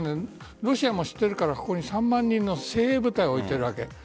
ロシアも知っているからここに３万人の精鋭部隊を置いている。